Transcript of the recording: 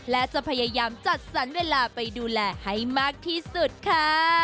และจะพยายามจัดสรรเวลาไปดูแลให้มากที่สุดค่ะ